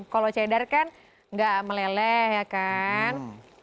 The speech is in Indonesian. kalau cedar kan nggak meleleh ya kan